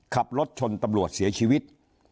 ขับรถชนตำรวจเสียชีวิต